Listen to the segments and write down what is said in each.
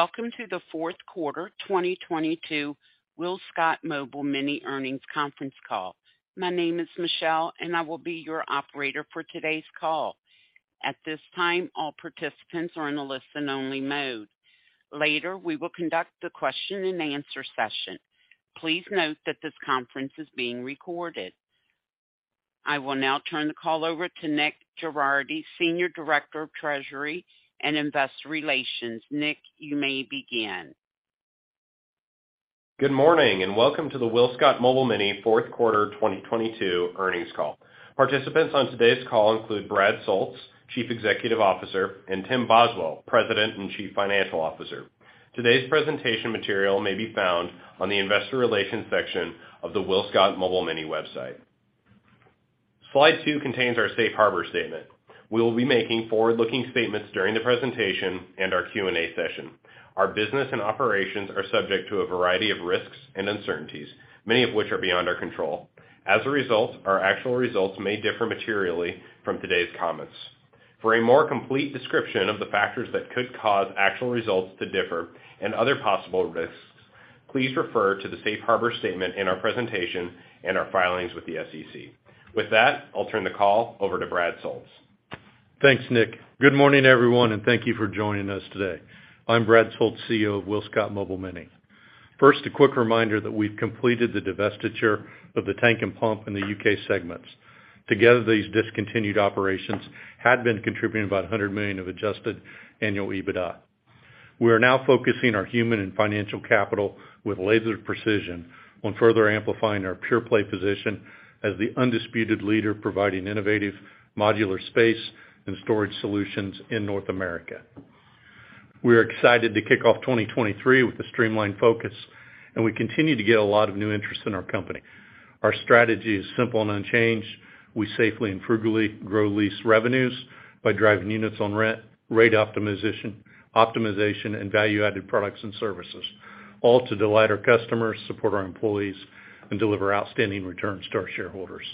Welcome to the fourth quarter 2022 WillScot Mobile Mini earnings conference call. My name is Michelle, and I will be your operator for today's call. At this time, all participants are in a listen only mode. Later, we will conduct the question-and-answer session. Please note that this conference is being recorded. I will now turn the call over to Nick Girardi, Senior Director of Treasury and Investor Relations. Nick, you may begin. Good morning, and welcome to the WillScot Mobile Mini fourth quarter 2022 earnings call. Participants on today's call include Brad Soultz, Chief Executive Officer; and Tim Boswell, President and Chief Financial Officer. Today's presentation material may be found on the Investor Relations section of the WillScot Mobile Mini website. Slide 2 contains our Safe Harbor statement. We will be making forward-looking statements during the presentation and our Q&A session. Our business and operations are subject to a variety of risks and uncertainties, many of which are beyond our control. As a result, our actual results may differ materially from today's comments. For a more complete description of the factors that could cause actual results to differ and other possible risks, please refer to the Safe Harbor statement in our presentation and our filings with the SEC. With that, I'll turn the call over to Brad Soultz. Thanks, Nick. Good morning, everyone, and thank you for joining us today. I'm Brad Soultz, CEO of WillScot Mobile Mini. First, a quick reminder that we've completed the divestiture of the tank and pump in the U.K. segments. Together, these discontinued operations had been contributing about $100 million of adjusted annual EBITDA. We are now focusing our human and financial capital with laser precision on further amplifying our pure play position as the undisputed leader, providing innovative modular space and storage solutions in North America. We are excited to kick off 2023 with the streamlined focus, and we continue to get a lot of new interest in our company. Our strategy is simple and unchanged. We safely and frugally grow lease revenues by driving units on rent, rate optimization, and value-added products and services, all to delight our customers, support our employees, and deliver outstanding returns to our shareholders.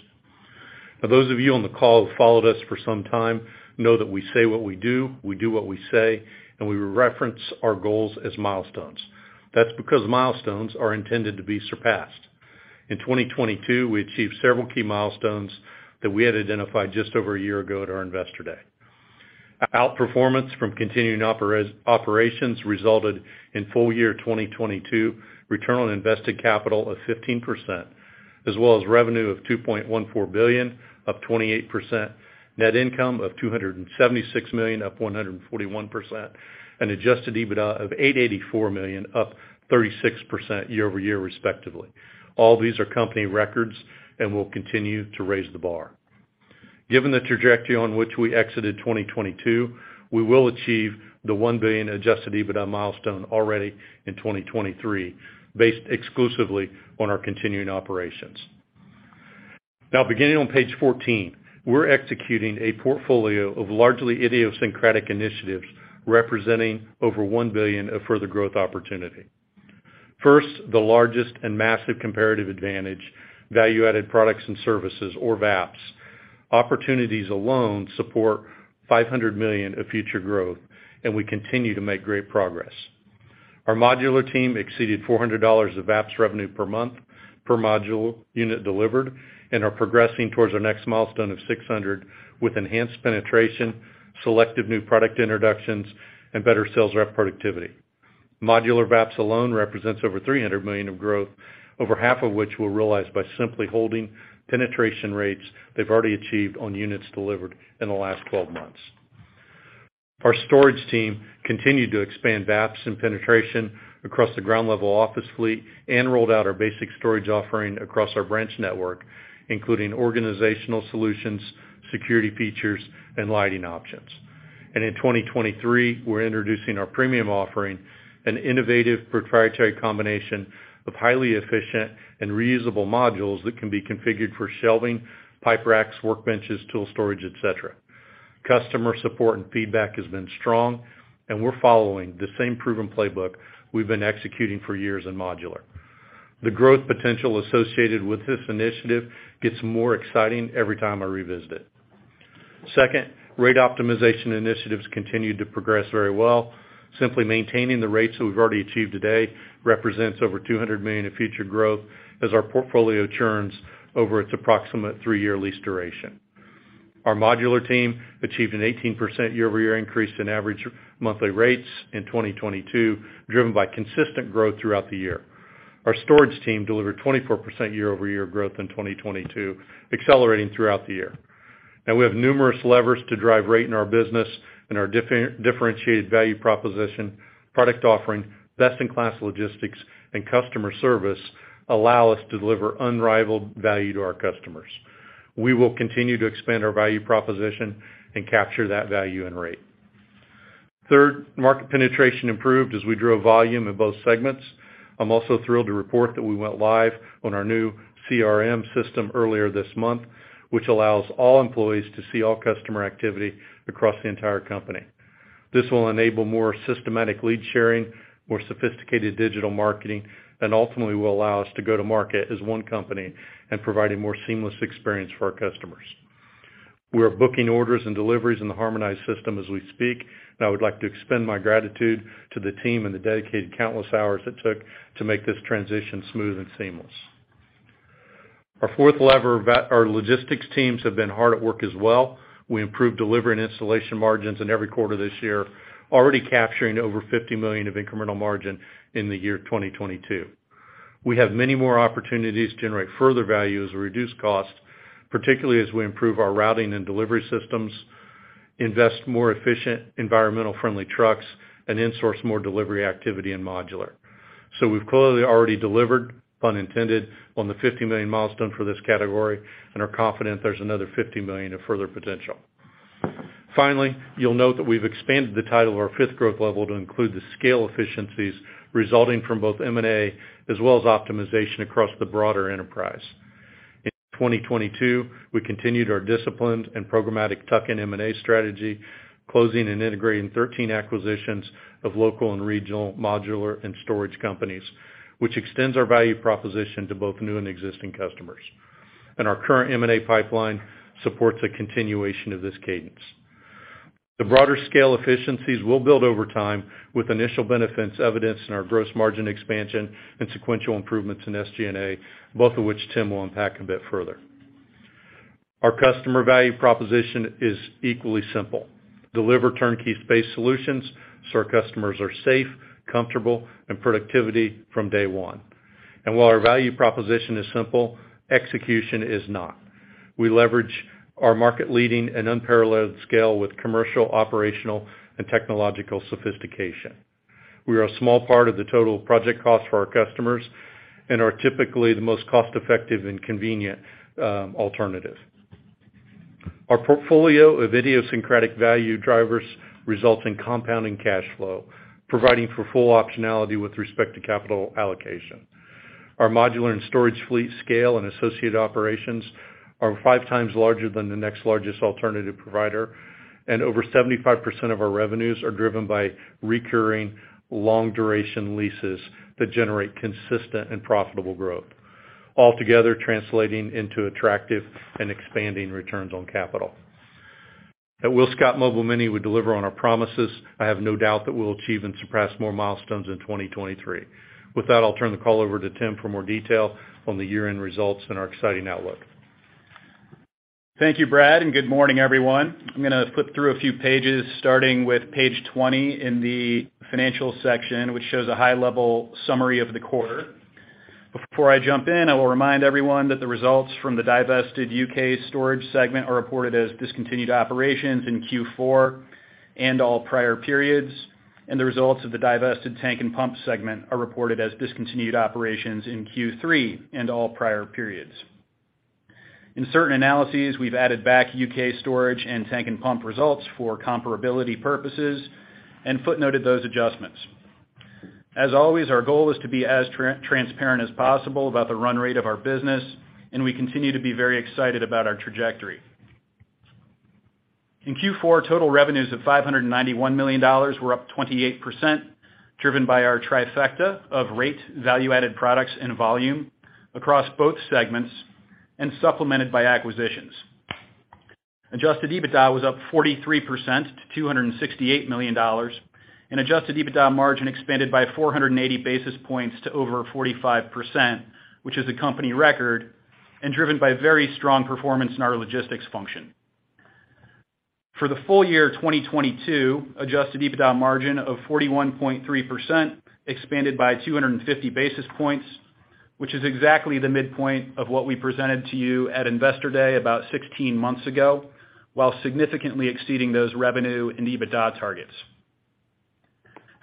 Those of you on the call who followed us for some time know that we say what we do, we do what we say, and we reference our goals as milestones. That's because milestones are intended to be surpassed. In 2022, we achieved several key milestones that we had identified just over a year ago at our Investor Day. Our outperformance from continuing operations resulted in full year 2022 return on invested capital of 15%, as well as revenue of $2.14 billion, up 28%, net income of $276 million, up 141%, and adjusted EBITDA of $884 million, up 36% year-over-year, respectively. All these are company records and will continue to raise the bar. Given the trajectory on which we exited 2022, we will achieve the $1 billion adjusted EBITDA milestone already in 2023, based exclusively on our continuing operations. Beginning on page 14, we're executing a portfolio of largely idiosyncratic initiatives representing over $1 billion of further growth opportunity. First, the largest and massive comparative advantage, Value-Added Products and Services, or VAPS. Opportunities alone support $500 million of future growth, and we continue to make great progress. Our modular team exceeded $400 of VAPS revenue per month per module unit delivered and are progressing towards our next milestone of 600 with enhanced penetration, selective new product introductions, and better sales rep productivity. Modular VAPS alone represents over $300 million of growth, over half of which we'll realize by simply holding penetration rates they've already achieved on units delivered in the last 12 months. Our storage team continued to expand VAPS and penetration across the Ground Level Office fleet and rolled out our basic storage offering across our branch network, including organizational solutions, security features, and lighting options. In 2023, we're introducing our premium offering, an innovative proprietary combination of highly efficient and reusable modules that can be configured for shelving, pipe racks, workbenches, tool storage, et cetera. Customer support and feedback has been strong. We're following the same proven playbook we've been executing for years in modular. The growth potential associated with this initiative gets more exciting every time I revisit it. Second, rate optimization initiatives continued to progress very well. Simply maintaining the rates that we've already achieved today represents over $200 million in future growth as our portfolio churns over its approximate three-year lease duration. Our modular team achieved an 18% year-over-year increase in average monthly rates in 2022, driven by consistent growth throughout the year. Our storage team delivered 24% year-over-year growth in 2022, accelerating throughout the year. We have numerous levers to drive rate in our business and our differentiated value proposition, product offering, best-in-class logistics, and customer service allow us to deliver unrivaled value to our customers. We will continue to expand our value proposition and capture that value and rate. Third, market penetration improved as we drove volume in both segments. I'm also thrilled to report that we went live on our new CRM system earlier this month, which allows all employees to see all customer activity across the entire company. This will enable more systematic lead sharing, more sophisticated digital marketing, and ultimately, will allow us to go to market as one company and provide a more seamless experience for our customers. We are booking orders and deliveries in the harmonized system as we speak, and I would like to extend my gratitude to the team and the dedicated countless hours it took to make this transition smooth and seamless. Our fourth lever, our logistics teams have been hard at work as well. We improved delivery and installation margins in every quarter this year, already capturing over $50 million of incremental margin in the year 2022. We have many more opportunities to generate further value as we reduce cost, particularly as we improve our routing and delivery systems, invest more efficient, environmentally-friendly trucks, and insource more delivery activity in modular. We've clearly already delivered, pun intended, on the $50 million milestone for this category and are confident there's another $50 million of further potential. Finally, you'll note that we've expanded the title of our fifth growth lever to include the scale efficiencies resulting from both M&A as well as optimization across the broader enterprise. In 2022, we continued our disciplined and programmatic tuck-in M&A strategy, closing and integrating 13 acquisitions of local and regional modular and storage companies, which extends our value proposition to both new and existing customers. Our current M&A pipeline supports a continuation of this cadence. The broader scale efficiencies will build over time with initial benefits evidenced in our gross margin expansion and sequential improvements in SG&A, both of which Tim will unpack a bit further. Our customer value proposition is equally simple: deliver turnkey space solutions so our customers are safe, comfortable, and productivity from day one. While our value proposition is simple, execution is not. We leverage our market leading and unparalleled scale with commercial, operational, and technological sophistication. We are a small part of the total project cost for our customers and are typically the most cost-effective and convenient alternative. Our portfolio of idiosyncratic value drivers results in compounding cash flow, providing for full optionality with respect to capital allocation. Our modular and storage fleet scale and associated operations are 5x larger than the next largest alternative provider, and over 75% of our revenues are driven by recurring long-duration leases that generate consistent and profitable growth, altogether translating into attractive and expanding returns on capital. At WillScot Mobile Mini, we deliver on our promises. I have no doubt that we'll achieve and surpass more milestones in 2023. With that, I'll turn the call over to Tim for more detail on the year-end results and our exciting outlook. Thank you, Brad. Good morning, everyone. I'm gonna flip through a few pages starting with page 20 in the financial section, which shows a high-level summary of the quarter. Before I jump in, I will remind everyone that the results from the divested UK Storage segment are reported as discontinued operations in Q4 and all prior periods, and the results of the divested Tank and Pump segment are reported as discontinued operations in Q3 and all prior periods. In certain analyses, we've added back UK Storage and Tank and Pump results for comparability purposes and footnoted those adjustments. As always, our goal is to be as transparent as possible about the run rate of our business, and we continue to be very excited about our trajectory. In Q4, total revenues of $591 million were up 28%, driven by our trifecta of rate, value-added products, and volume across both segments and supplemented by acquisitions. Adjusted EBITDA was up 43% to $268 million, and adjusted EBITDA margin expanded by 480 basis points to over 45%, which is a company record and driven by very strong performance in our logistics function. For the full year 2022, adjusted EBITDA margin of 41.3% expanded by 250 basis points, which is exactly the midpoint of what we presented to you at Investor Day about 16 months ago, while significantly exceeding those revenue and EBITDA targets.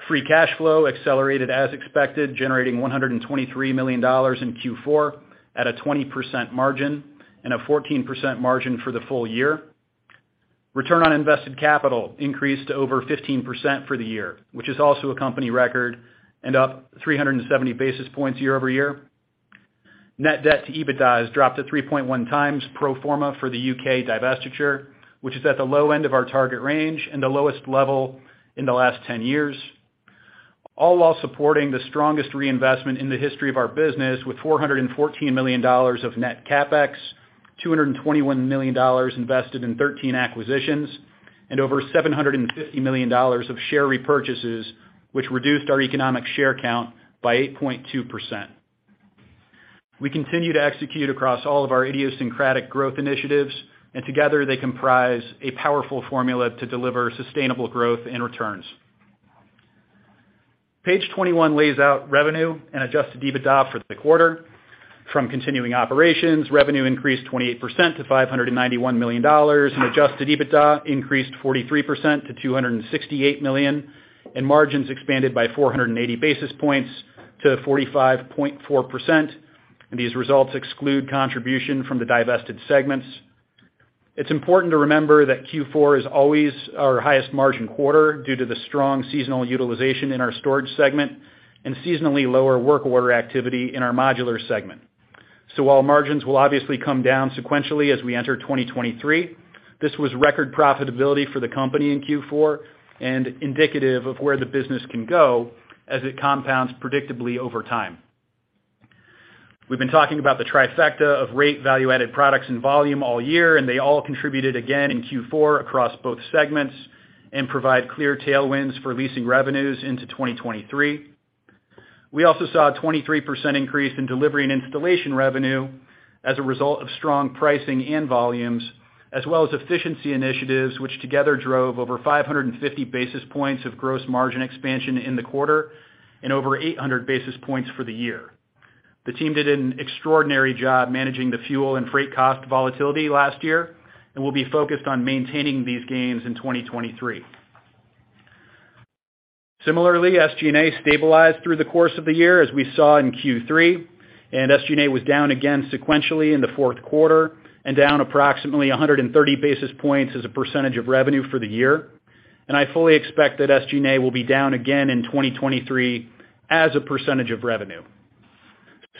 Free cash flow accelerated as expected, generating $123 million in Q4 at a 20% margin and a 14% margin for the full year. Return on invested capital increased to over 15% for the year, which is also a company record and up 370 basis points year-over-year. Net debt to EBITDA has dropped to 3.1x pro forma for the U.K. divestiture, which is at the low end of our target range and the lowest level in the last 10 years. All while supporting the strongest reinvestment in the history of our business with $414 million of net CapEx, $221 million invested in 13 acquisitions, and over $750 million of share repurchases, which reduced our economic share count by 8.2%. We continue to execute across all of our idiosyncratic growth initiatives, together they comprise a powerful formula to deliver sustainable growth and returns. Page 21 lays out revenue and adjusted EBITDA for the quarter. From continuing operations, revenue increased 28% to $591 million, and adjusted EBITDA increased 43% to $268 million, and margins expanded by 480 basis points to 45.4%. These results exclude contribution from the divested segments. It's important to remember that Q4 is always our highest margin quarter due to the strong seasonal utilization in our storage segment and seasonally lower work order activity in our modular segment. While margins will obviously come down sequentially as we enter 2023, this was record profitability for the company in Q4 and indicative of where the business can go as it compounds predictably over time. We've been talking about the trifecta of rate value-added products and volume all year, and they all contributed again in Q4 across both segments and provide clear tailwinds for leasing revenues into 2023. We also saw a 23% increase in delivery and installation revenue as a result of strong pricing and volumes, as well as efficiency initiatives, which together drove over 550 basis points of gross margin expansion in the quarter and over 800 basis points for the year. The team did an extraordinary job managing the fuel and freight cost volatility last year, and we'll be focused on maintaining these gains in 2023. Similarly, SG&A stabilized through the course of the year, as we saw in Q3. SG&A was down again sequentially in the fourth quarter and down approximately 130 basis points as a % of revenue for the year. I fully expect that SG&A will be down again in 2023 as a % of revenue.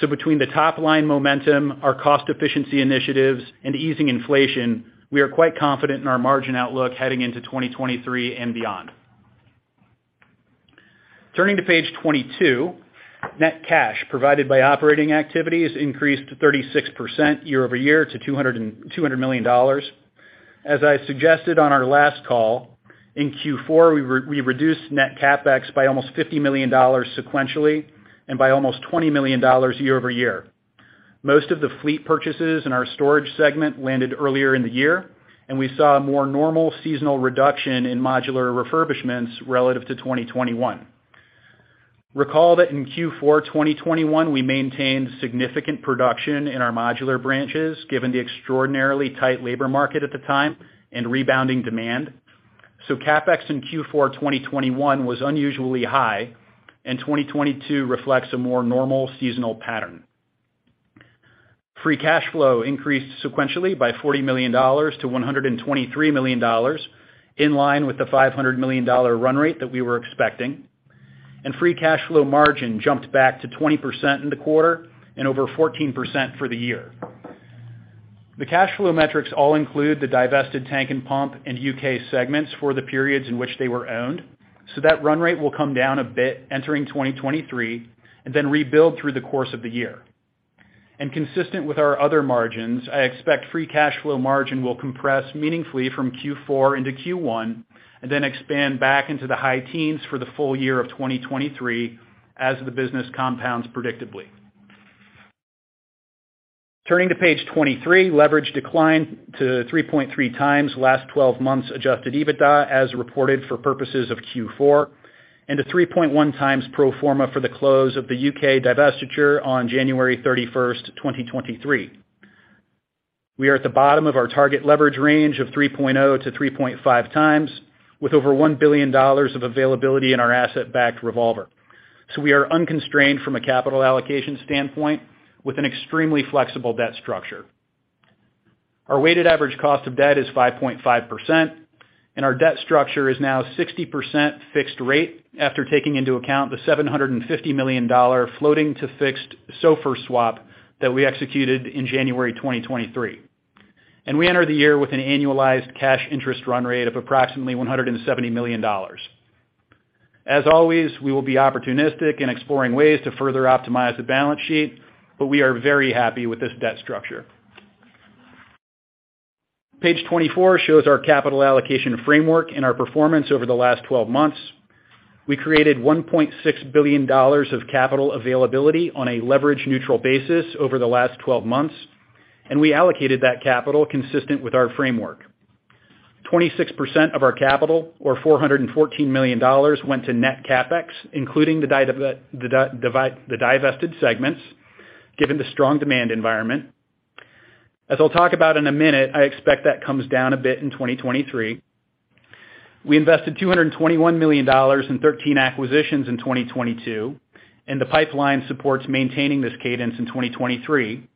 Between the top-line momentum, our cost efficiency initiatives, and easing inflation, we are quite confident in our margin outlook heading into 2023 and beyond. Turning to page 22. Net cash provided by operating activities increased to 36% year-over-year to $200 million. As I suggested on our last call, in Q4, we reduced net CapEx by almost $50 million sequentially and by almost $20 million year-over-year. Most of the fleet purchases in our storage segment landed earlier in the year, and we saw a more normal seasonal reduction in modular refurbishments relative to 2021. Recall that in Q4 2021, we maintained significant production in our modular branches given the extraordinarily tight labor market at the time and rebounding demand. CapEx in Q4 2021 was unusually high, and 2022 reflects a more normal seasonal pattern. Free cash flow increased sequentially by $40 million to $123 million, in line with the $500 million run rate that we were expecting. Free cash flow margin jumped back to 20% in the quarter and over 14% for the year. The cash flow metrics all include the divested tank and pump and U.K. segments for the periods in which they were owned, that run rate will come down a bit entering 2023 and then rebuild through the course of the year. Consistent with our other margins, I expect free cash flow margin will compress meaningfully from Q4 into Q1 and then expand back into the high teens for the full year of 2023 as the business compounds predictably. Turning to page 23, leverage declined to 3.3x last 12 months adjusted EBITDA as reported for purposes of Q4 and 3.1x pro forma for the close of the U.K. divestiture on January 31, 2023. We are at the bottom of our target leverage range of 3.0-3.5x with over $1 billion of availability in our asset-backed revolver. We are unconstrained from a capital allocation standpoint with an extremely flexible debt structure. Our weighted average cost of debt is 5.5%, and our debt structure is now 60% fixed rate after taking into account the $750 million floating to fixed SOFR swap that we executed in January 2023. We enter the year with an annualized cash interest run rate of approximately $170 million. As always, we will be opportunistic in exploring ways to further optimize the balance sheet, but we are very happy with this debt structure. Page 24 shows our capital allocation framework and our performance over the last 12 months. We created $1.6 billion of capital availability on a leverage-neutral basis over the last 12 months, and we allocated that capital consistent with our framework. 26% of our capital or $414 million went to net CapEx, including the divested segments, given the strong demand environment. As I'll talk about in a minute, I expect that comes down a bit in 2023. We invested $221 million in 13 acquisitions in 2022. The pipeline supports maintaining this cadence in 2023.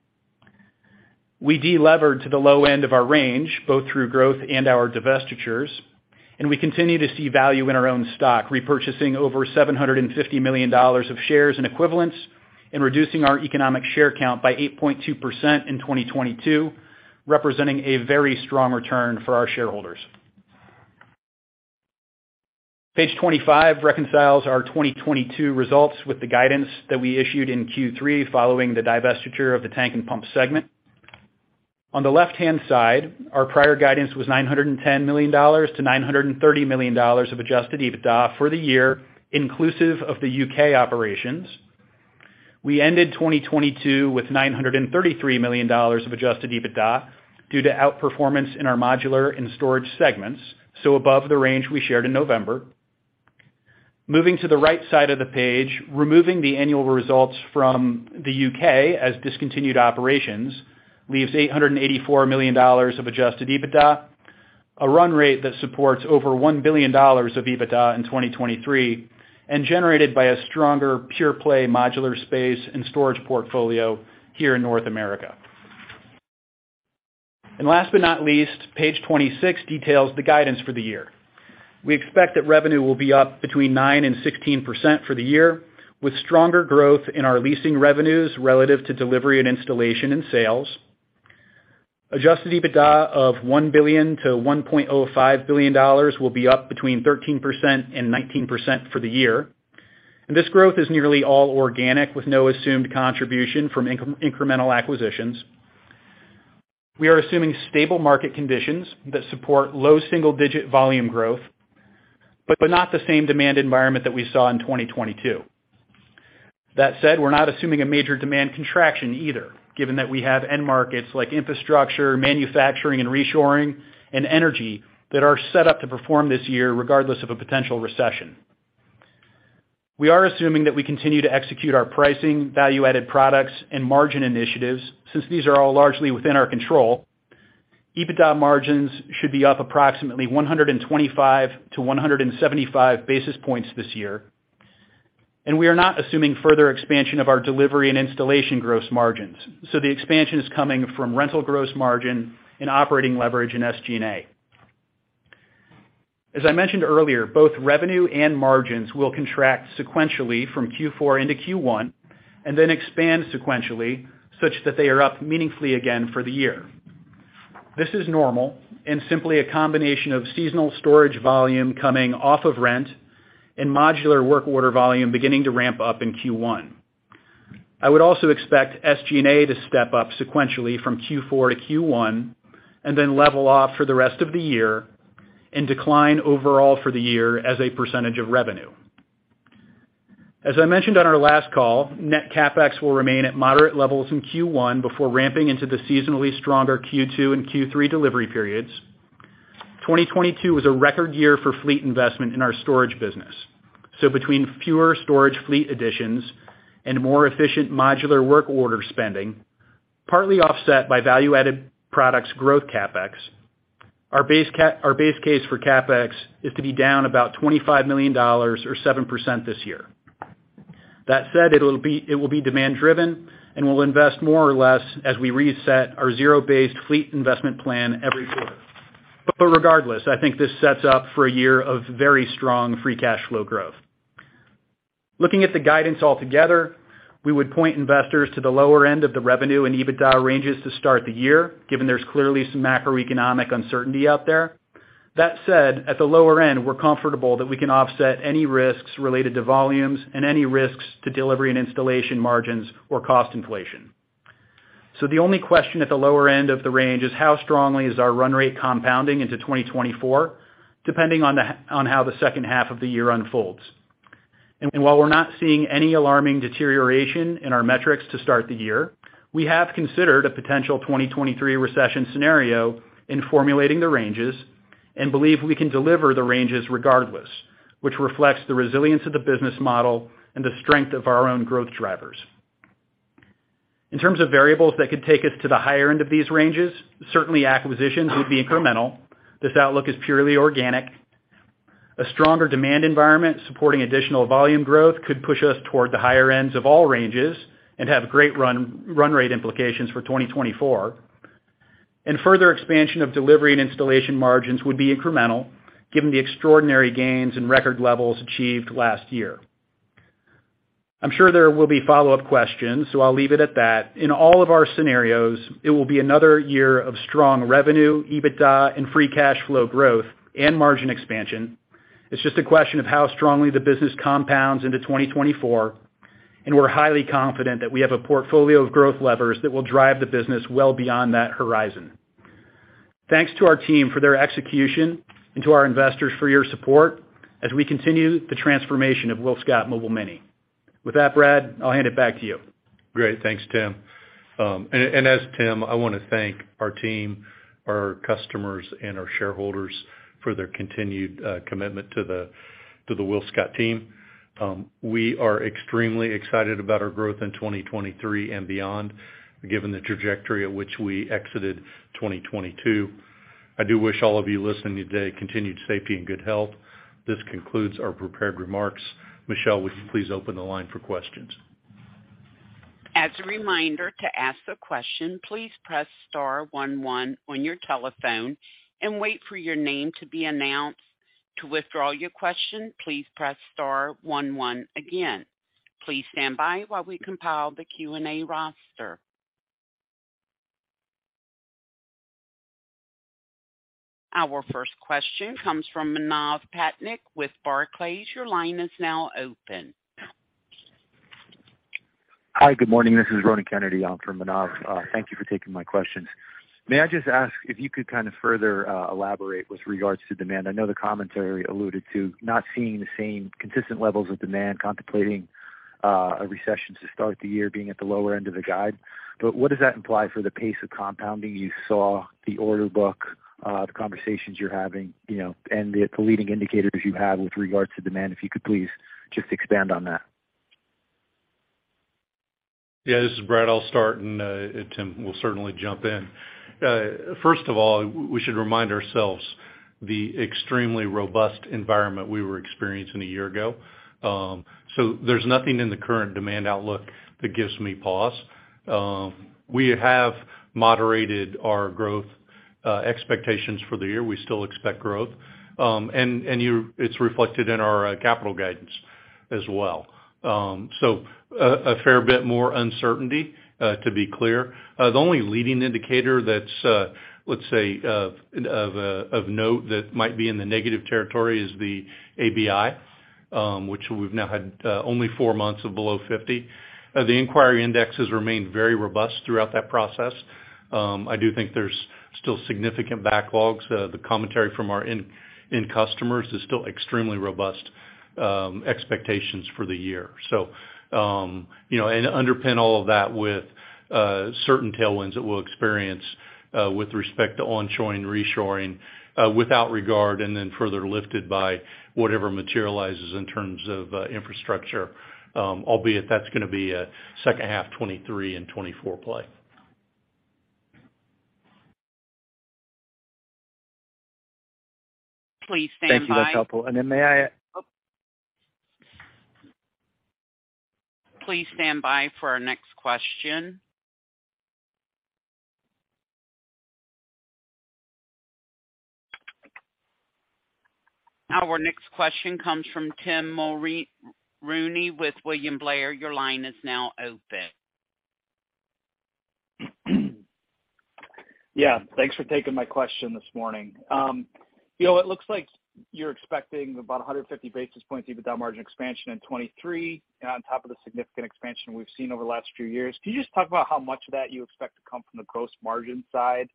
We delevered to the low end of our range, both through growth and our divestitures. We continue to see value in our own stock, repurchasing over $750 million of shares and equivalents, and reducing our economic share count by 8.2% in 2022, representing a very strong return for our shareholders. Page 25 reconciles our 2022 results with the guidance that we issued in Q3 following the divestiture of the tank and pump segment. On the left-hand side, our prior guidance was $910 million-$930 million of adjusted EBITDA for the year, inclusive of the U.K. operations. We ended 2022 with $933 million of adjusted EBITDA due to outperformance in our modular and storage segments, above the range we shared in November. Moving to the right side of the page, removing the annual results from the U.K. as discontinued operations leaves $884 million of adjusted EBITDA, a run rate that supports over $1 billion of EBITDA in 2023 and generated by a stronger pure-play modular space and storage portfolio here in North America. Last but not least, page 26 details the guidance for the year. We expect that revenue will be up between 9% and 16% for the year, with stronger growth in our leasing revenues relative to delivery and installation and sales. Adjusted EBITDA of $1 billion to $1.05 billion will be up between 13% and 19% for the year. This growth is nearly all organic with no assumed contribution from incremental acquisitions. We are assuming stable market conditions that support low single-digit volume growth, but not the same demand environment that we saw in 2022. That said, we're not assuming a major demand contraction either, given that we have end markets like infrastructure, manufacturing and reshoring, and energy that are set up to perform this year regardless of a potential recession. We are assuming that we continue to execute our pricing, value-added products, and margin initiatives, since these are all largely within our control. EBITDA margins should be up approximately 125 to 175 basis points this year. We are not assuming further expansion of our delivery and installation gross margins. The expansion is coming from rental gross margin and operating leverage in SG&A. As I mentioned earlier, both revenue and margins will contract sequentially from Q4 into Q1, and then expand sequentially such that they are up meaningfully again for the year. This is normal and simply a combination of seasonal storage volume coming off of rent and modular work order volume beginning to ramp up in Q1. I would also expect SG&A to step up sequentially from Q4 to Q1, and then level off for the rest of the year and decline overall for the year as a % of revenue. As I mentioned on our last call, net CapEx will remain at moderate levels in Q1 before ramping into the seasonally stronger Q2 and Q3 delivery periods. 2022 was a record year for fleet investment in our storage business. Between fewer storage fleet additions and more efficient modular work order spending, partly offset by value-added products growth CapEx, our base case for CapEx is to be down about $25 million or 7% this year. That said, it will be demand driven and we'll invest more or less as we reset our zero-based fleet investment plan every quarter. Regardless, I think this sets up for a year of very strong free cash flow growth. Looking at the guidance altogether, we would point investors to the lower end of the revenue and EBITDA ranges to start the year, given there's clearly some macroeconomic uncertainty out there. That said, at the lower end, we're comfortable that we can offset any risks related to volumes and any risks to delivery and installation margins or cost inflation. The only question at the lower end of the range is how strongly is our run rate compounding into 2024, depending on how the second half of the year unfolds. While we're not seeing any alarming deterioration in our metrics to start the year, we have considered a potential 2023 recession scenario in formulating the ranges and believe we can deliver the ranges regardless, which reflects the resilience of the business model and the strength of our own growth drivers. In terms of variables that could take us to the higher end of these ranges, certainly acquisitions would be incremental. This outlook is purely organic. A stronger demand environment supporting additional volume growth could push us toward the higher ends of all ranges and have great run rate implications for 2024. Further expansion of delivery and installation margins would be incremental, given the extraordinary gains and record levels achieved last year. I'm sure there will be follow-up questions, so I'll leave it at that. In all of our scenarios, it will be another year of strong revenue, EBITDA, and free cash flow growth and margin expansion. It's just a question of how strongly the business compounds into 2024. We're highly confident that we have a portfolio of growth levers that will drive the business well beyond that horizon. Thanks to our team for their execution and to our investors for your support as we continue the transformation of WillScot Mobile Mini. With that, Brad, I'll hand it back to you. Great. Thanks, Tim. As Tim, I wanna thank our team, our customers, and our shareholders for their continued commitment to the WillScot team. We are extremely excited about our growth in 2023 and beyond, given the trajectory at which we exited 2022. I do wish all of you listening today continued safety and good health. This concludes our prepared remarks. Michelle, would you please open the line for questions? As a reminder, to ask a question, please press star one one on your telephone and wait for your name to be announced. To withdraw your question, please press star one one again. Please stand by while we compile the Q&A roster. Our first question comes from Manav Patnaik with Barclays. Your line is now open. Hi, good morning. This is Ronan Kennedy on for Manav. Thank you for taking my questions. May I just ask if you could kind of further elaborate with regards to demand? I know the commentary alluded to not seeing the same consistent levels of demand, contemplating a recession to start the year being at the lower end of the guide. What does that imply for the pace of compounding you saw the order book, the conversations you're having, you know, and the leading indicators you have with regard to demand, if you could please just expand on that. This is Brad, I'll start, and Tim will certainly jump in. First of all, we should remind ourselves the extremely robust environment we were experiencing a year ago. There's nothing in the current demand outlook that gives me pause. We have moderated our growth expectations for the year, we still expect growth. And it's reflected in our capital guidance as well. A fair bit more uncertainty, to be clear. The only leading indicator that's, let's say, of note that might be in the negative territory is the ABI, which we've now had only four months of below 50. The inquiry index has remained very robust throughout that process. I do think there's still significant backlogs. The commentary from our end customers is still extremely robust, expectations for the year. You know, underpin all of that with certain tailwinds that we'll experience with respect to onshoring, reshoring, without regard and then further lifted by whatever materializes in terms of infrastructure. Albeit that's gonna be a second half 2023 and 2024 play. Please stand by. Thank you, that's helpful. Please stand by for our next question. Our next question comes from Tim Mulrooney with William Blair. Your line is now open. Yeah, thanks for taking my question this morning. You know, it looks like you're expecting about 150 basis points EBITDA margin expansion in 2023 on top of the significant expansion we've seen over the last few years. Can you just talk about how much of that you expect to come from the gross margin side,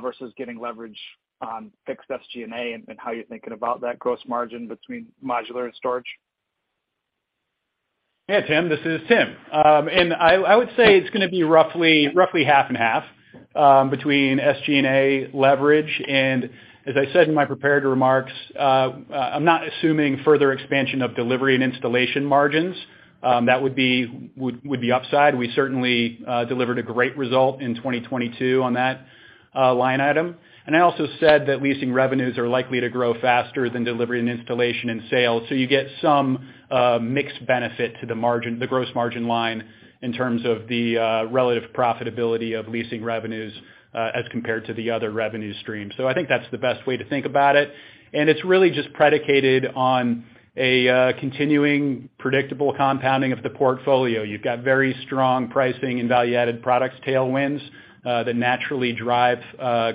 versus getting leverage on fixed SG&A and how you're thinking about that gross margin between modular and storage? Yeah, Tim, this is Tim. I would say it's going to be roughly half and half between SG&A leverage and as I said in my prepared remarks, I'm not assuming further expansion of delivery and installation margins, that would be upside. We certainly delivered a great result in 2022 on that line item. I also said that leasing revenues are likely to grow faster than delivery and installation and sales. You get some mixed benefit to the margin, the gross margin line in terms of the relative profitability of leasing revenues as compared to the other revenue stream. I think that's the best way to think about it, and it's really just predicated on a continuing predictable compounding of the portfolio. You've got very strong pricing and value-added products tailwinds, that naturally drive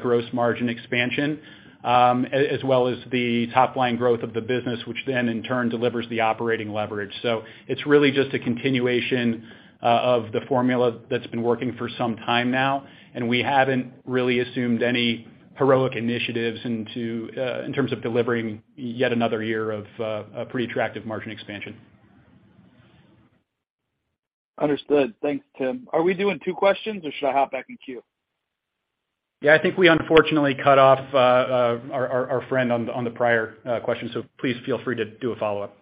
gross margin expansion, as well as the top line growth of the business, which then in turn delivers the operating leverage. It's really just a continuation of the formula that's been working for some time now, and we haven't really assumed any heroic initiatives into in terms of delivering yet another year of a pretty attractive margin expansion. Understood. Thanks, Tim. Are we doing 2 questions or should I hop back in queue? Yeah, I think we unfortunately cut off our friend on the prior question, so please feel free to do a follow-up.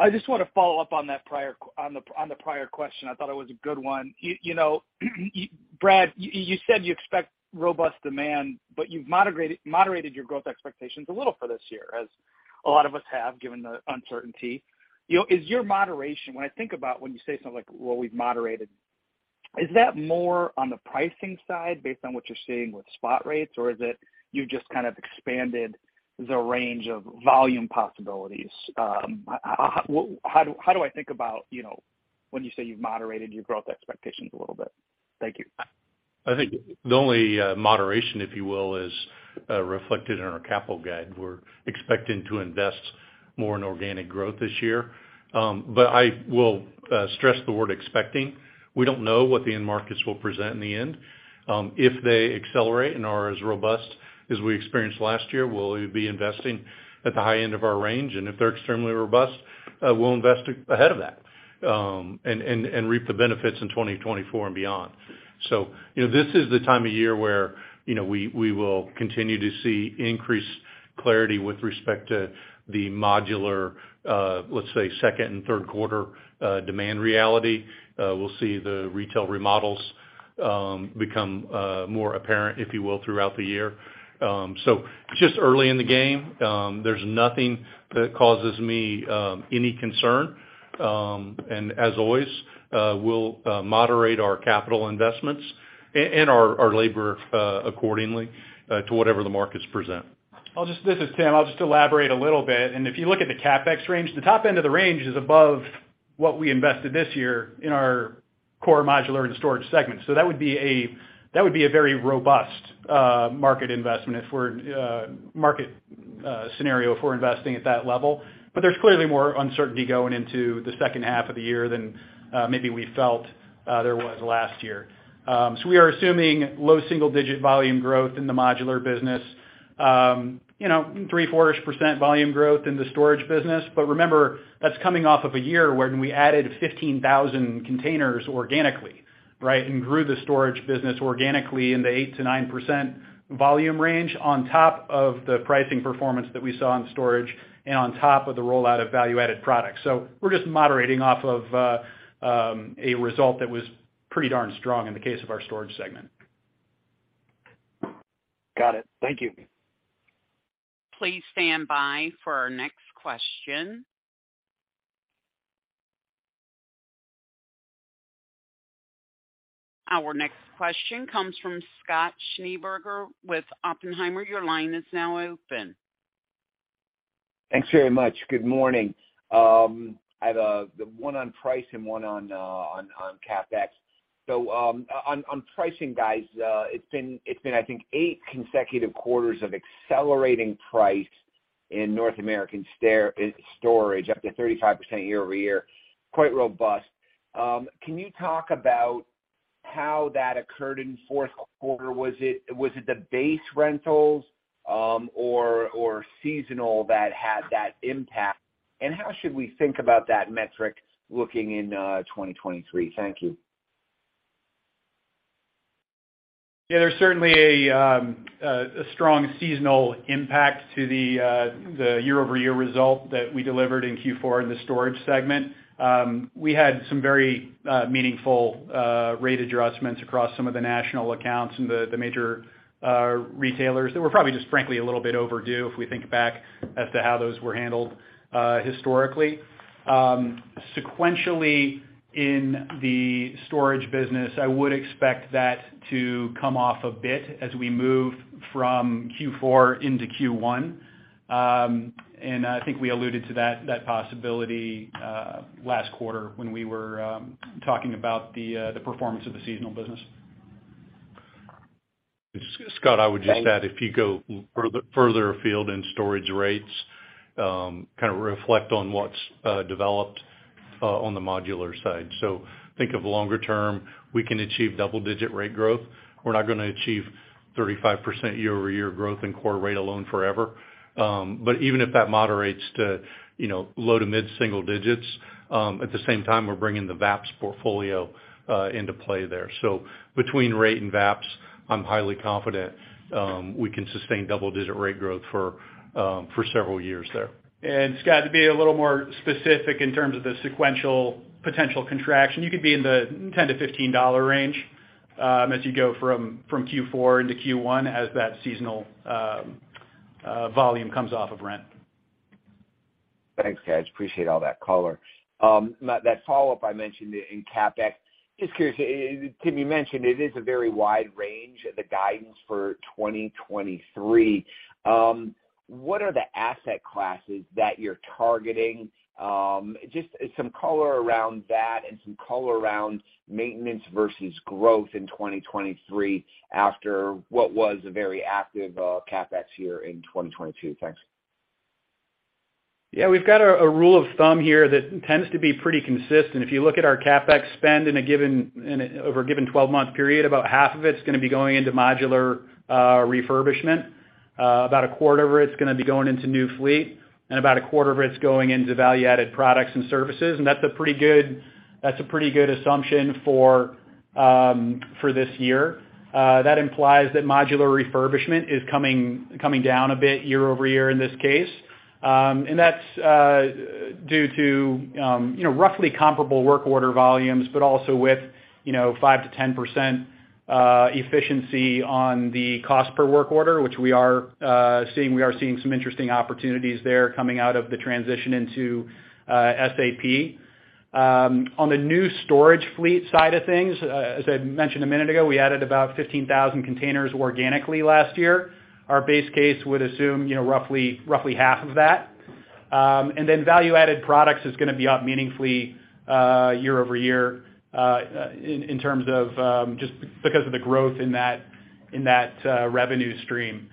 I just wanna follow up on that prior question. I thought it was a good one. You know, Brad, you said you expect robust demand, but you've moderated your growth expectations a little for this year, as a lot of us have given the uncertainty. You know, is your moderation when I think about when you say something like, "Well, we've moderated," is that more on the pricing side based on what you're seeing with spot rates, or is it you've just kind of expanded the range of volume possibilities? How do I think about, you know, when you say you've moderated your growth expectations a little bit? Thank you. I think the only moderation, if you will, is reflected in our capital guide. We're expecting to invest more in organic growth this year. I will stress the word expecting. We don't know what the end markets will present in the end. If they accelerate and are as robust as we experienced last year, we'll be investing at the high end of our range. If they're extremely robust, we'll invest ahead of that and reap the benefits in 2024 and beyond. You know, this is the time of year where, you know, we will continue to see increased clarity with respect to the modular, let's say, second and third quarter demand reality. We'll see the retail remodels become more apparent, if you will, throughout the year. Just early in the game. There's nothing that causes me any concern. As always, we'll moderate our capital investments and our labor accordingly to whatever the markets present. This is Tim, I'll just elaborate a little bit. If you look at the CapEx range, the top end of the range is above what we invested this year in our core modular and storage segment. That would be a very robust market investment if we're market scenario for investing at that level. There's clearly more uncertainty going into the second half of the year than maybe we felt there was last year. We are assuming low single digit volume growth in the modular business. you know, 3, 4-ish % volume growth in the storage business. Remember, that's coming off of a year when we added 15,000 containers organically, right? And grew the storage business organically in the 8%-9% volume range on top of the pricing performance that we saw in storage and on top of the rollout of value-added products. We're just moderating off of a result that was pretty darn strong in the case of our storage segment. Got it. Thank you. Please stand by for our next question. Our next question comes from Scott Schneeberger with Oppenheimer. Your line is now open. Thanks very much. Good morning. I have one on price and one on CapEx. On pricing guys, it's been I think eight consecutive quarters of accelerating price in North American storage, up to 35% year-over-year. Quite robust. Can you talk about how that occurred in fourth quarter? Was it the base rentals, or seasonal that had that impact? And how should we think about that metric looking in 2023? Thank you. Yeah. There's certainly a strong seasonal impact to the year-over-year result that we delivered in Q4 in the storage segment. We had some very meaningful rate adjustments across some of the national accounts and major retailers that were probably just frankly a little bit overdue if we think back as to how those were handled historically. Sequentially, in the storage business, I would expect that to come off a bit as we move from Q4 into Q1. I think we alluded to that possibility last quarter when we were talking about the performance of the seasonal business. Scott, I would just add, if you go further afield in storage rates, kind of reflect on what's developed on the modular side. Think of longer term, we can achieve double-digit rate growth. We're not gonna achieve 35% year-over-year growth in core rate alone forever. But even if that moderates to, you know, low to mid single digits, at the same time, we're bringing the VAPS portfolio into play there. Between rate and VAPS, I'm highly confident, we can sustain double-digit rate growth for several years there. Scott, to be a little more specific in terms of the sequential potential contraction, you could be in the $10-$15 range as you go from Q4 into Q1 as that seasonal volume comes off of rent. Thanks, guys. Appreciate all that color. Now that follow-up I mentioned in CapEx. Just curious, Tim, you mentioned it is a very wide range, the guidance for 2023. What are the asset classes that you're targeting? Just some color around that and some color around maintenance versus growth in 2023 after what was a very active CapEx year in 2022. Thanks. Yeah. We've got a rule of thumb here that tends to be pretty consistent. If you look at our CapEx spend over a given 12-month period, about half of it's gonna be going into modular refurbishment, about a quarter of it's gonna be going into new fleet, and about a quarter of it's going into value-added products and services. That's a pretty good assumption for this year. That implies that modular refurbishment is coming down a bit year-over-year in this case. And that's due to, you know, roughly comparable work order volumes, but also with, you know, 5%-10% efficiency on the cost per work order, which we are seeing. We are seeing some interesting opportunities there coming out of the transition into SAP. On the new storage fleet side of things, as I mentioned a minute ago, we added about 15,000 containers organically last year. Our base case would assume, you know, roughly half of that. Value-added products is gonna be up meaningfully year-over-year in terms of just because of the growth in that, in that revenue stream.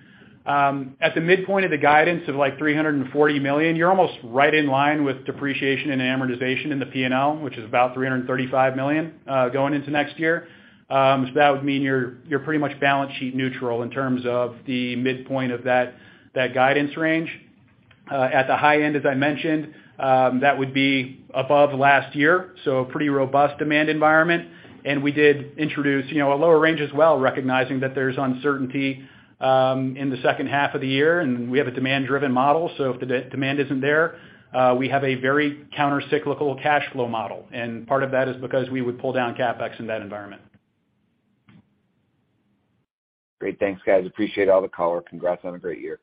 At the midpoint of the guidance of, like, $340 million, you're almost right in line with depreciation and amortization in the P&L, which is about $335 million going into next year. That would mean you're pretty much balance sheet neutral in terms of the midpoint of that guidance range. At the high end, as I mentioned, that would be above last year, so a pretty robust demand environment. We did introduce, you know, a lower range as well, recognizing that there's uncertainty in the second half of the year, and we have a demand-driven model. If demand isn't there, we have a very countercyclical cash flow model, and part of that is because we would pull down CapEx in that environment. Great. Thanks, guys. Appreciate all the color. Congrats on a great year.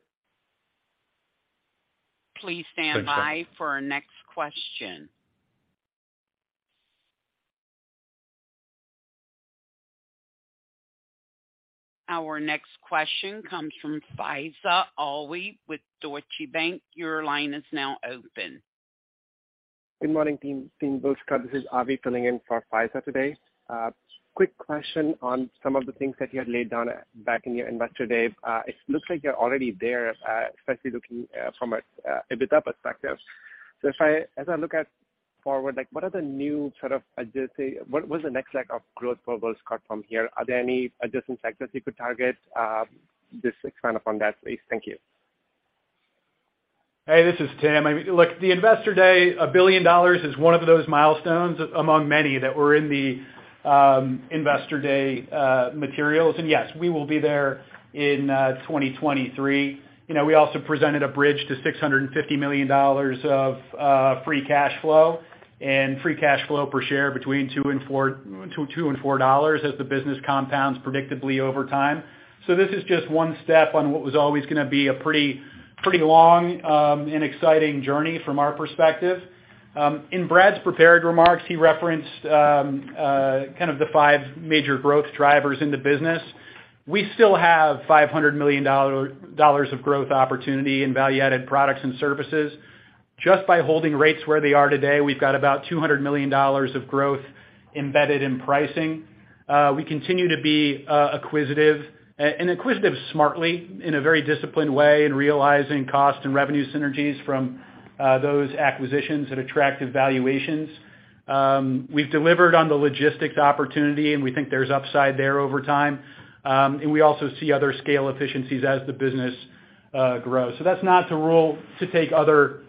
Please stand by for our next question. Our next question comes from Faiza Alwy with Deutsche Bank. Your line is now open. Good morning, team WillScot. This is Avi filling in for Faiza Alwy today. Quick question on some of the things that you had laid down back in your Investor Day. It looks like you're already there, especially looking from a EBITDA perspective. As I look at forward, like, what are the new sort of agility? What is the next leg of growth for WillScot from here? Are there any adjacent sectors you could target? Just expand upon that, please. Thank you. Hey, this is Tim. I mean, look, the Investor Day, $1 billion is one of those milestones among many that were in the Investor Day materials. Yes, we will be there in 2023. You know, we also presented a bridge to $650 million of free cash flow and free cash flow per share between $2 and $4 as the business compounds predictably over time. This is just one step on what was always gonna be a pretty long and exciting journey from our perspective. In Brad's prepared remarks, he referenced kind of the five major growth drivers in the business. We still have $500 million of growth opportunity in value-added products and services. Just by holding rates where they are today, we've got about $200 million of growth embedded in pricing. We continue to be acquisitive, and acquisitive smartly, in a very disciplined way in realizing cost and revenue synergies from those acquisitions at attractive valuations. We've delivered on the logistics opportunity, and we think there's upside there over time. And we also see other scale efficiencies as the business grows. That's not to take other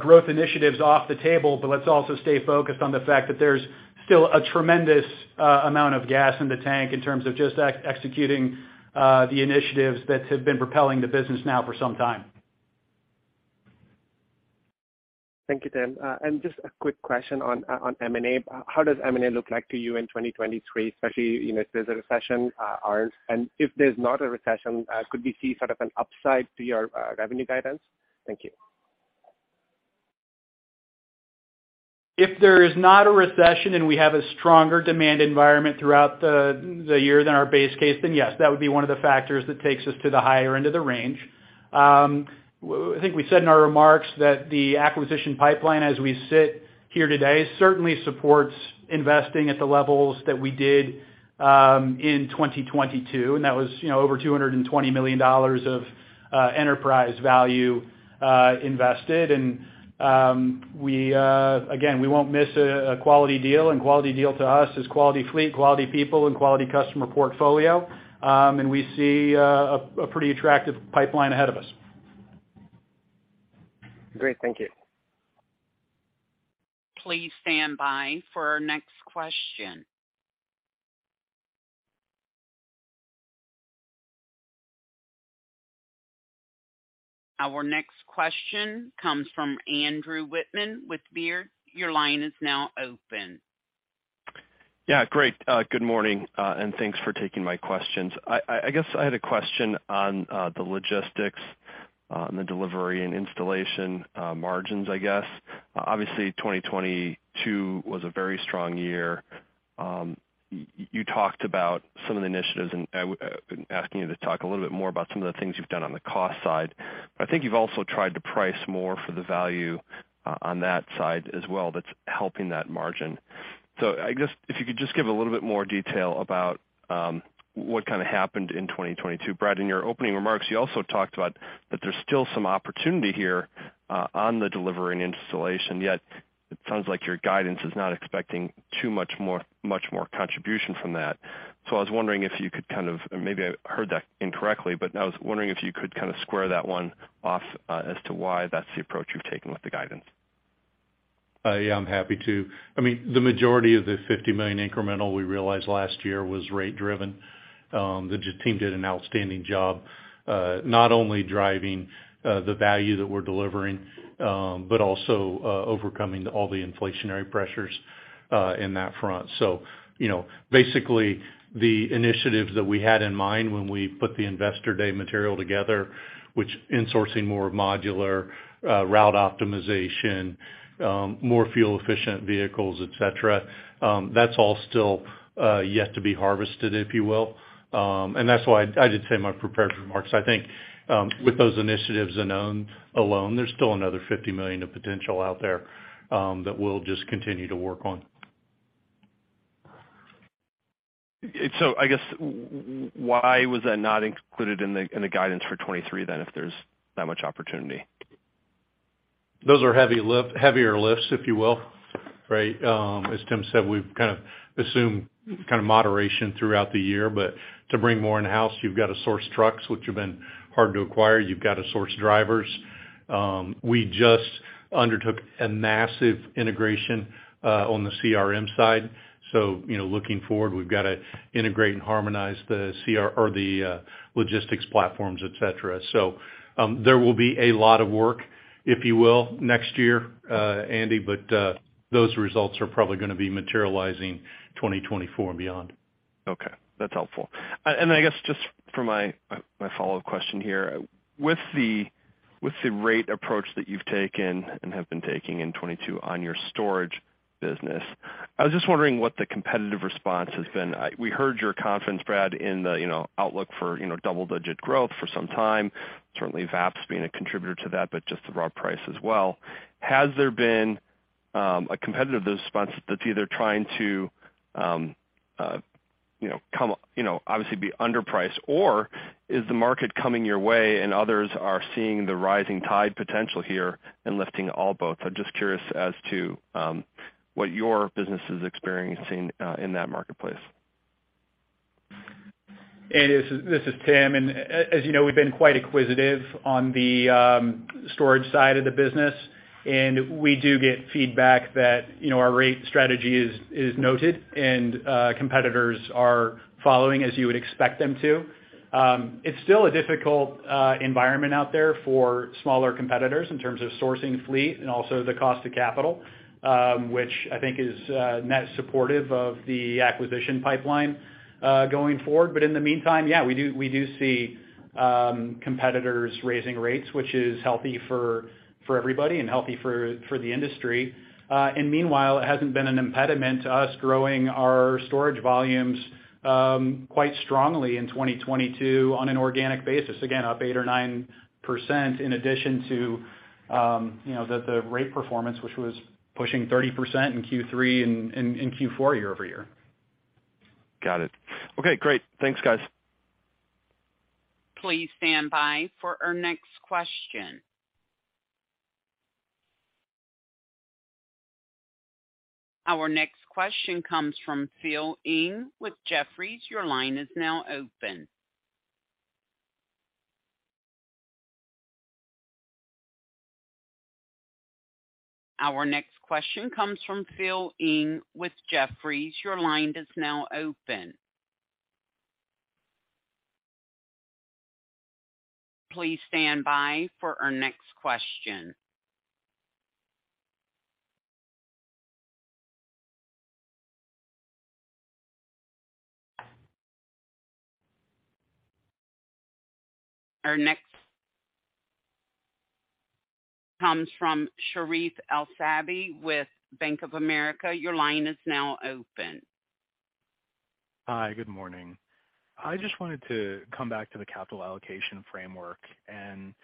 growth initiatives off the table, but let's also stay focused on the fact that there's still a tremendous amount of gas in the tank in terms of just executing the initiatives that have been propelling the business now for some time. Thank you, Tim. Just a quick question on M&A. How does M&A look like to you in 2023, especially, you know, if there's a recession, on? If there's not a recession, could we see sort of an upside to your, revenue guidance? Thank you. If there is not a recession and we have a stronger demand environment throughout the year than our base case, yes, that would be one of the factors that takes us to the higher end of the range. I think we said in our remarks that the acquisition pipeline, as we sit here today, certainly supports investing at the levels that we did in 2022. That was, you know, over $220 million of enterprise value invested. Again, we won't miss a quality deal. Quality deal to us is quality fleet, quality people, and quality customer portfolio. We see a pretty attractive pipeline ahead of us. Great. Thank you. Please stand by for our next question. Our next question comes from Andrew Wittmann with Baird. Your line is now open. Yeah, great. Good morning, and thanks for taking my questions. I guess I had a question on the logistics and the delivery and installation margins, I guess. Obviously, 2022 was a very strong year. You talked about some of the initiatives and asking you to talk a little bit more about some of the things you've done on the cost side. I think you've also tried to price more for the value on that side as well that's helping that margin. I guess if you could just give a little bit more detail about what kinda happened in 2022. Brad, in your opening remarks, you also talked about that there's still some opportunity here on the delivery and installation, yet it sounds like your guidance is not expecting too much more contribution from that. I was wondering if you could kind of... Maybe I heard that incorrectly, but I was wondering if you could kinda square that one off as to why that's the approach you've taken with the guidance? Yeah, I'm happy to. I mean, the majority of the $50 million incremental we realized last year was rate driven. The team did an outstanding job, not only driving the value that we're delivering, but also overcoming all the inflationary pressures in that front. You know, basically, the initiatives that we had in mind when we put the Investor Day material together, which insourcing more modular, route optimization, more fuel efficient vehicles, et cetera, that's all still yet to be harvested, if you will. That's why I did say in my prepared remarks, I think, with those initiatives alone, there's still another $50 million of potential out there that we'll just continue to work on. I guess why was that not included in the guidance for 23 if there's that much opportunity? Those are heavier lifts, if you will, right? As Tim said, we've kind of assumed kind of moderation throughout the year. To bring more in-house, you've got to source trucks, which have been hard to acquire. You've got to source drivers. We just undertook a massive integration on the CRM side. You know, looking forward, we've got to integrate and harmonize or the logistics platforms, et cetera. There will be a lot of work, if you will, next year, Andy, those results are probably gonna be materializing 2024 and beyond. Okay. That's helpful. I guess just for my follow-up question here. With the rate approach that you've taken and have been taking in 22 on your storage business, I was just wondering what the competitive response has been. We heard your confidence, Brad, in the, you know, outlook for, you know, double-digit growth for some time, certainly VAPS being a contributor to that, but just the raw price as well. Has there been a competitive response that's either trying to, you know, come, you know, obviously be underpriced? Is the market coming your way and others are seeing the rising tide potential here and lifting all boats? I'm just curious as to what your business is experiencing in that marketplace. This is Tim. As you know, we've been quite acquisitive on the storage side of the business, and we do get feedback that, you know, our rate strategy is noted and competitors are following as you would expect them to. It's still a difficult environment out there for smaller competitors in terms of sourcing fleet and also the cost of capital, which I think is net supportive of the acquisition pipeline going forward. In the meantime, yeah, we do see competitors raising rates, which is healthy for everybody and healthy for the industry. meanwhile, it hasn't been an impediment to us growing our storage volumes, quite strongly in 2022 on an organic basis, again, up 8% or 9% in addition to, you know, the rate performance, which was pushing 30% in Q3 and Q4 year-over-year. Got it. Okay, great. Thanks, guys. Please stand by for our next question. Our next question comes from Phil Ng with Jefferies. Your line is now open. Our next question comes from Phil Ng with Jefferies. Your line is now open. Please stand by for our next question. Our next comes from Sherif El-Sabbahy with Bank of America. Your line is now open. Hi, good morning. I just wanted to come back to the capital allocation framework and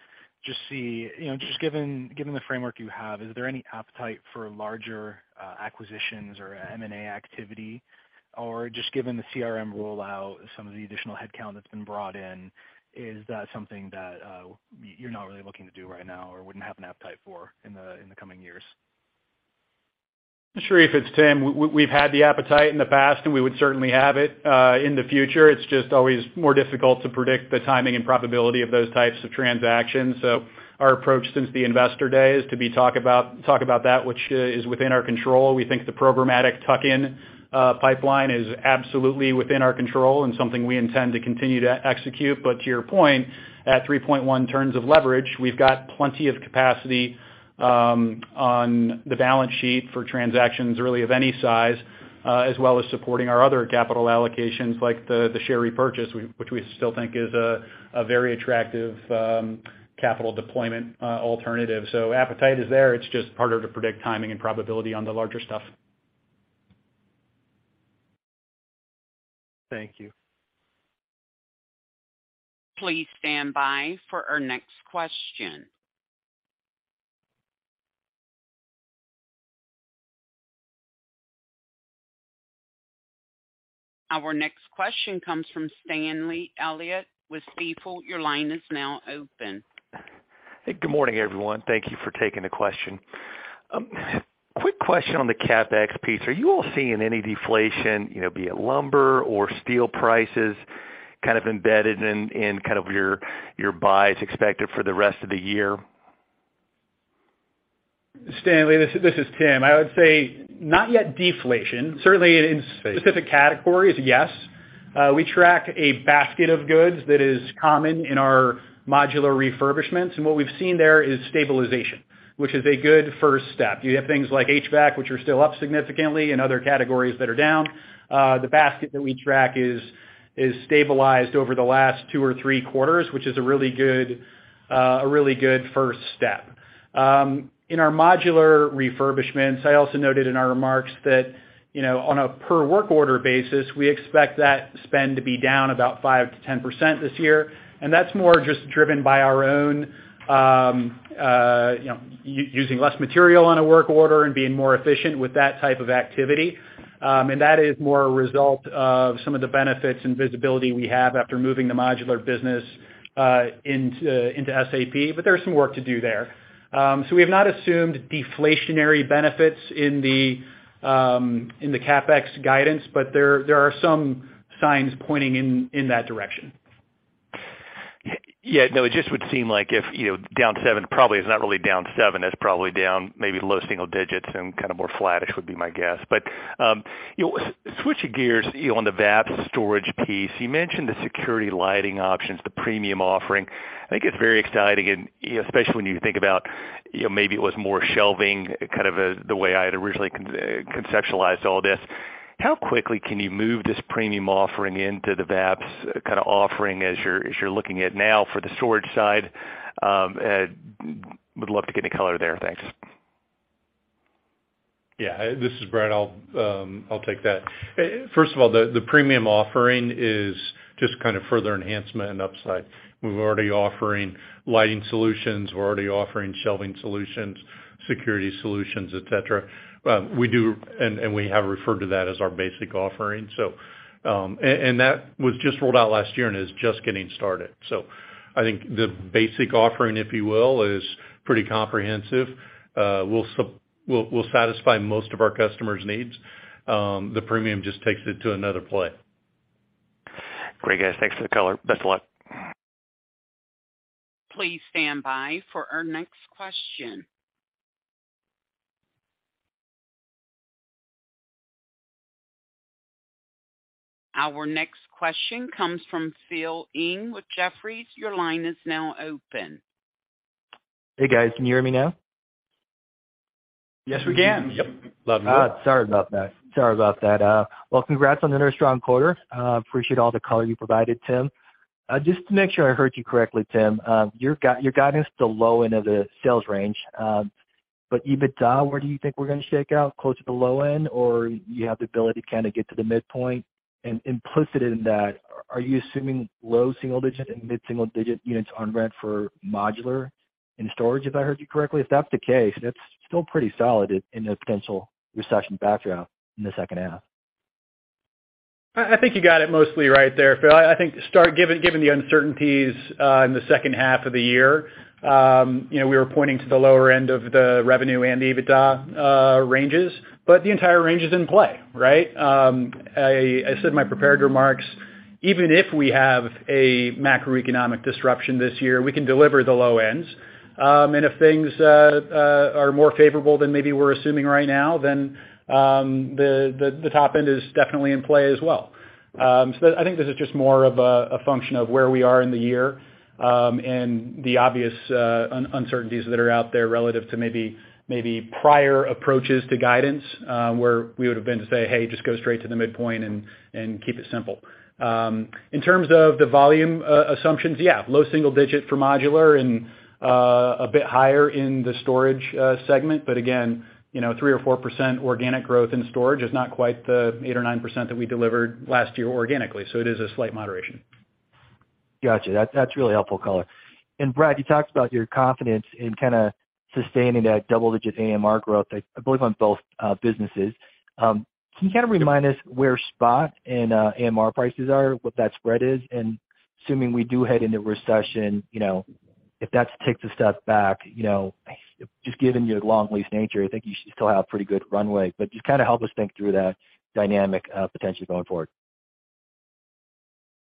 just see, you know, just given the framework you have, is there any appetite for larger acquisitions or M&A activity? Just given the CRM rollout, some of the additional headcount that's been brought in, is that something that you're not really looking to do right now or wouldn't have an appetite for in the coming years? Sherif, it's Tim. We've had the appetite in the past, and we would certainly have it in the future. It's just always more difficult to predict the timing and probability of those types of transactions. Our approach since the Investor Day is to be talk about that which is within our control. We think the programmatic tuck-in pipeline is absolutely within our control and something we intend to continue to execute. To your point, at 3.1 terms of leverage, we've got plenty of capacity on the balance sheet for transactions really of any size, as well as supporting our other capital allocations like the share repurchase, which we still think is a very attractive capital deployment alternative. Appetite is there. It's just harder to predict timing and probability on the larger stuff. Thank you. Please stand by for our next question. Our next question comes from Stanley Elliott with Stifel. Your line is now open. Hey, good morning, everyone. Thank you for taking the question. Quick question on the CapEx piece. Are you all seeing any deflation, you know, be it lumber or steel prices, kind of embedded in kind of your buys expected for the rest of the year? Stanley, this is Tim. I would say not yet deflation. Certainly in specific categories, yes. We track a basket of goods that is common in our modular refurbishments, and what we've seen there is stabilization, which is a good first step. You have things like HVAC, which are still up significantly, and other categories that are down. The basket that we track is stabilized over the last two or three quarters, which is a really good, a really good first step. In our modular refurbishments, I also noted in our remarks that, you know, on a per work order basis, we expect that spend to be down about 5%-10% this year, and that's more just driven by our own, you know, using less material on a work order and being more efficient with that type of activity. That is more a result of some of the benefits and visibility we have after moving the modular business into SAP, but there's some work to do there. We have not assumed deflationary benefits in the CapEx guidance, but there are some signs pointing in that direction. Yeah, no, it just would seem like if, you know, down 7 probably is not really down 7, it's probably down maybe low single digits and kind of more flattish would be my guess. You know, switching gears on the VAPS storage piece, you mentioned the security lighting options, the premium offering. I think it's very exciting and especially when you think about, you know, maybe it was more shelving, kind of the way I had originally conceptualized all this. How quickly can you move this premium offering into the VAPS kind of offering as you're looking at now for the storage side? Would love to get any color there. Thanks. Yeah, this is Brad. I'll take that. First of all, the premium offering is just kind of further enhancement and upside. We're already offering lighting solutions. We're already offering shelving solutions, security solutions, et cetera. We do, and we have referred to that as our basic offering. That was just rolled out last year and is just getting started. I think the basic offering, if you will, is pretty comprehensive. We'll satisfy most of our customers' needs. The premium just takes it to another play. Great, guys. Thanks for the color. Best of luck. Please stand by for our next question. Our next question comes from Phil Ng with Jefferies. Your line is now open. Hey, guys. Can you hear me now? Yes, we can. Yep. Loud and clear. Sorry about that. Sorry about that. Well, congrats on another strong quarter. Appreciate all the color you provided, Tim. Just to make sure I heard you correctly, Tim, your guidance is the low end of the sales range, but EBITDA, where do you think we're gonna shake out, closer to the low end, or you have the ability to kind of get to the midpoint? Implicit in that, are you assuming low single-digit and mid-single-digit units on rent for modular and storage, if I heard you correctly? If that's the case, that's still pretty solid in the potential recession background in the second half. I think you got it mostly right there, Phil. I think to start giving the uncertainties in the second half of the year, you know, we were pointing to the lower end of the revenue and EBITDA ranges, but the entire range is in play, right? I said in my prepared remarks, even if we have a macroeconomic disruption this year, we can deliver the low ends. If things are more favorable than maybe we're assuming right now, then the top end is definitely in play as well. I think this is just more of a function of where we are in the year, and the obvious uncertainties that are out there relative to maybe prior approaches to guidance, where we would have been to say, "Hey, just go straight to the midpoint and keep it simple." In terms of the volume assumptions, yeah, low single digit for modular and a bit higher in the storage segment. Again, you know, 3% or 4% organic growth in storage is not quite the 8% or 9% that we delivered last year organically. It is a slight moderation. Gotcha. That's really helpful color. Brad, you talked about your confidence in kinda sustaining that double-digit AMR growth, I believe, on both businesses. Can you kind of remind us where spot and AMR prices are, what that spread is? Assuming we do head into recession, you know, if that takes a step back, you know, just given your long lease nature, I think you should still have pretty good runway, but just kind of help us think through that dynamic potentially going forward.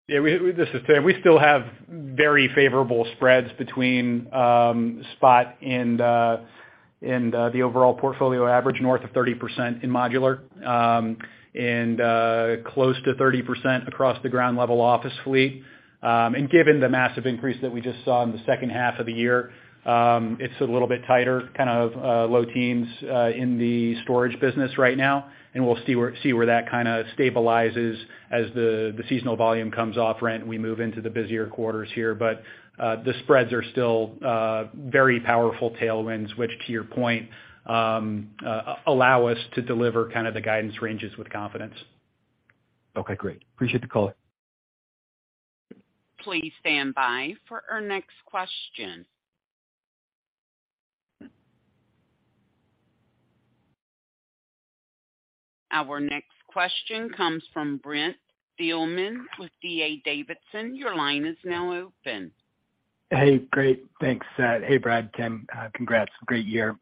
This is Tim. We still have very favorable spreads between spot and the overall portfolio average north of 30% in modular and close to 30% across the Ground Level Office fleet. Given the massive increase that we just saw in the second half of the year, it's a little bit tighter, kind of low teens in the storage business right now, and we'll see where that kind of stabilizes as the seasonal volume comes off rent and we move into the busier quarters here. The spreads are still very powerful tailwinds, which to your point, allow us to deliver kind of the guidance ranges with confidence. Okay. Great. Appreciate the color. Please stand by for our next question. Our next question comes from Brent Thielman with D.A. Davidson. Your line is now open. Great. Thanks. Brad, Tim. Congrats. Great year.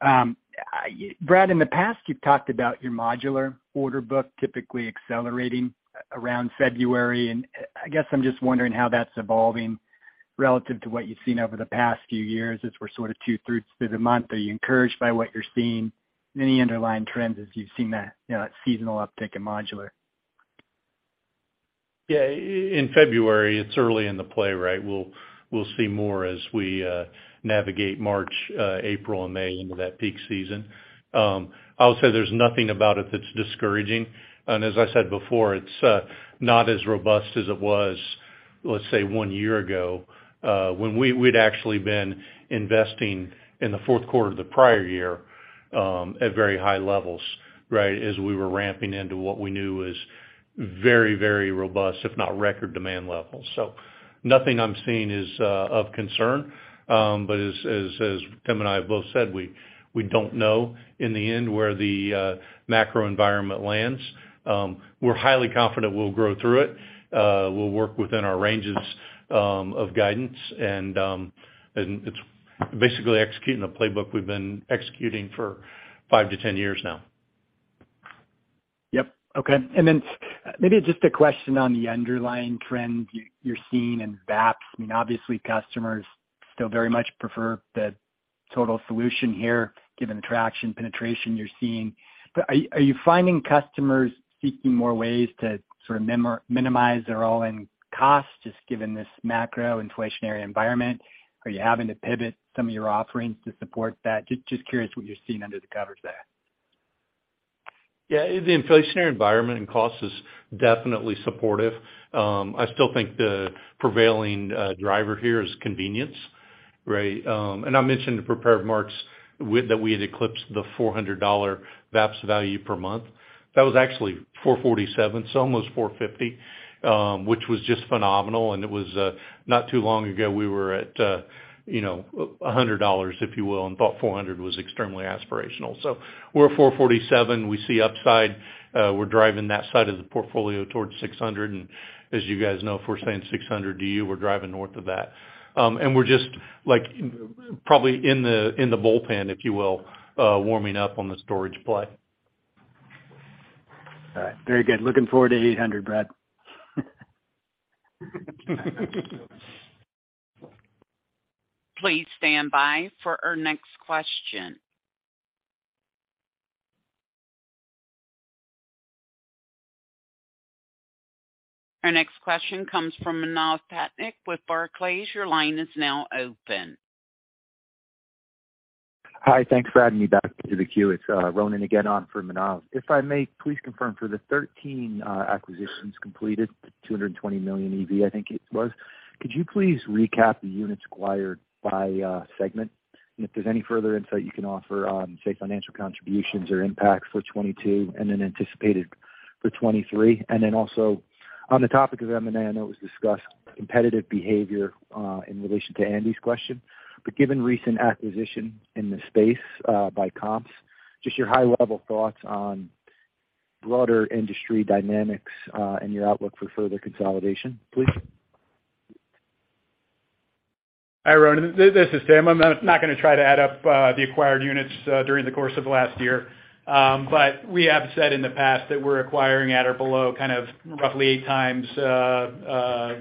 Brad, in the past, you've talked about your modular order book typically accelerating around February, I guess I'm just wondering how that's evolving relative to what you've seen over the past few years as we're sort of two-thirds through the month. Are you encouraged by what you're seeing? Any underlying trends as you've seen that, you know, seasonal uptick in modular? Yeah. In February, it's early in the play, right? We'll see more as we navigate March, April and May into that peak season. I would say there's nothing about it that's discouraging. As I said before, it's not as robust as it was, let's say, 1 year ago, when we'd actually been investing in the fourth quarter of the prior year, at very high levels, right? As we were ramping into what we knew was very, very robust, if not record demand levels. Nothing I'm seeing is of concern. As Tim and I have both said, we don't know in the end where the macro environment lands. We're highly confident we'll grow through it. We'll work within our ranges of guidance and it's basically executing the playbook we've been executing for five to 10 years now. Yep. Okay. Then maybe just a question on the underlying trend you're seeing in VAPS. I mean, obviously customers still very much prefer the total solution here, given the traction penetration you're seeing. Are you finding customers seeking more ways to sort of minimize their all-in costs, just given this macro inflationary environment? Are you having to pivot some of your offerings to support that? Just curious what you're seeing under the covers there. Yeah. The inflationary environment and cost is definitely supportive. I still think the prevailing driver here is convenience, right? I mentioned in the prepared remarks that we had eclipsed the $400 VAPS value per month. That was actually $447, so almost $450, which was just phenomenal. It was not too long ago, we were at, you know, $100, if you will, and thought $400 was extremely aspirational. So we're at $447. We see upside. We're driving that side of the portfolio towards $600. As you guys know, if we're saying $600 to you, we're driving north of that. We're just, like, probably in the, in the bullpen, if you will, warming up on the storage play. All right. Very good. Looking forward to 800, Brad. Please stand by for our next question. Our next question comes from Manav Patnaik with Barclays. Your line is now open. Hi. Thanks for adding me back to the queue. It's Ronan again on for Manav. If I may, please confirm for the 13 acquisitions completed, $220 million EBITDA, I think it was, could you please recap the units acquired by segment? If there's any further insight you can offer on, say, financial contributions or impacts for 2022 and then anticipated for 2023. Then also on the topic of M&A, I know it was discussed competitive behavior in relation to Andy's question, but given recent acquisition in the space by comps, just your high level thoughts on broader industry dynamics and your outlook for further consolidation, please. Hi, Ronan. This is Tim. I'm not gonna try to add up the acquired units during the course of last year. But we have said in the past that we're acquiring at or below kind of roughly 8x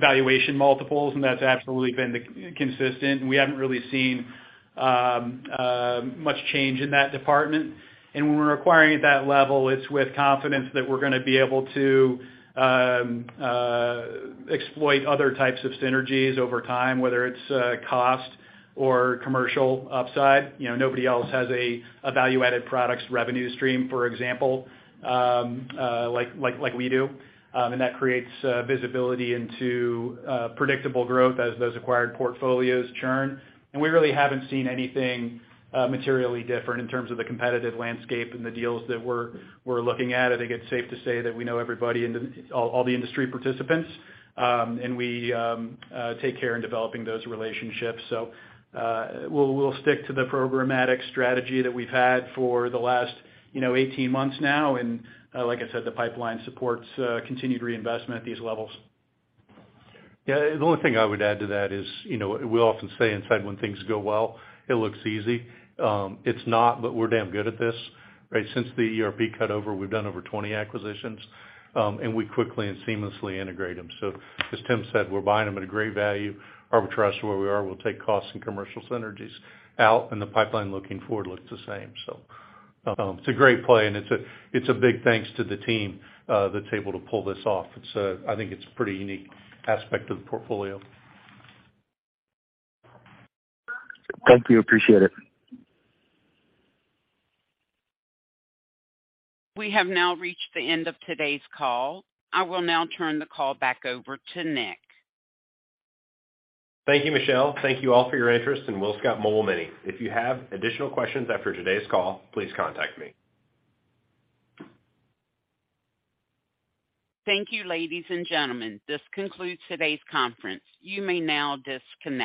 valuation multiples, and that's absolutely been the consistent. We haven't really seen much change in that department. When we're acquiring at that level, it's with confidence that we're gonna be able to exploit other types of synergies over time, whether it's cost or commercial upside. You know, nobody else has a value-added products revenue stream, for example, like we do. That creates visibility into predictable growth as those acquired portfolios churn. We really haven't seen anything materially different in terms of the competitive landscape and the deals that we're looking at. I think it's safe to say that we know everybody all the industry participants, and we take care in developing those relationships. We'll stick to the programmatic strategy that we've had for the last, you know, 18 months now. Like I said, the pipeline supports continued reinvestment at these levels. The only thing I would add to that is, you know, we often say inside, when things go well, it looks easy. It's not, but we're damn good at this, right? Since the ERP cutover, we've done over 20 acquisitions, and we quickly and seamlessly integrate them. As Tim said, we're buying them at a great value. Arbitrage is where we are. We'll take costs and commercial synergies out and the pipeline looking forward looks the same. It's a great play, and it's a, it's a big thanks to the team, that's able to pull this off. It's, I think it's a pretty unique aspect of the portfolio. Thank you. Appreciate it. We have now reached the end of today's call. I will now turn the call back over to Nick. Thank you, Michelle. Thank you all for your interest in WillScot Mobile Mini. If you have additional questions after today's call, please contact me. Thank you, ladies and gentlemen. This concludes today's conference. You may now disconnect.